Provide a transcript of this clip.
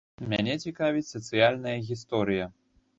Мяне цікавіць сацыяльная гісторыя.